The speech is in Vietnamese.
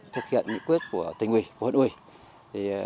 thực hiện nghị quyết của tỉnh huy của huyện huy